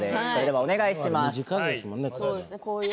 お願いします。